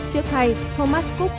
tiếc thay thomas cook